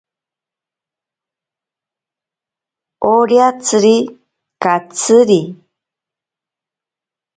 Oriatsiri katsiri.